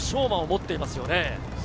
馬をもっていますよね。